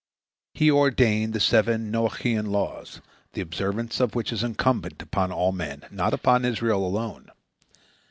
He ordained the seven Noachian laws, the observance of which is incumbent upon all men, not upon Israel alone.